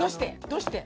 どうして？